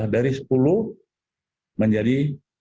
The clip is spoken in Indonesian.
dari sepuluh menjadi enam belas